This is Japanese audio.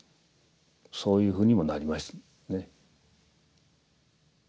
そういうふうにもなりましたね。